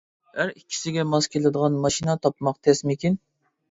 ھەر ئىككىسىگە ماس كېلىدىغان ماشىنا تاپماق تەسمىكىن.